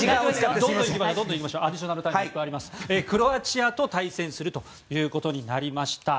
クロアチアと対戦するということになりました。